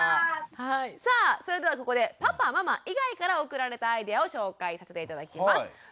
さあそれではここでパパママ以外から送られたアイデアを紹介させて頂きます。